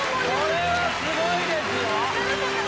これはすごいですよ。